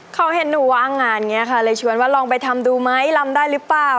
เขาเห็นหนูว่างงานอย่างนี้ค่ะเลยชวนว่าลองไปทำดูไหมลำได้หรือเปล่า